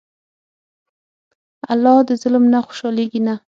الله د ظلم نه خوشحالېږي نه.